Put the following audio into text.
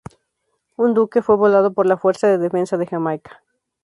Un "Duke" fue volado por la Fuerza de Defensa de Jamaica.